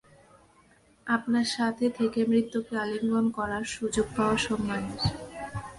আপনার সাথে থেকে মৃত্যুকে আলিঙ্গন করার সুযোগ পাওয়া সম্মানের।